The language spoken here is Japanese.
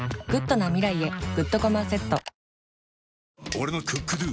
俺の「ＣｏｏｋＤｏ」！